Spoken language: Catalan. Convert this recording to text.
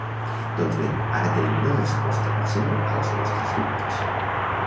Doncs bé, ara tenim una resposta parcial als nostres dubtes.